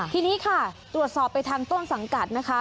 ทีนี้ค่ะตรวจสอบไปทางต้นสังกัดนะคะ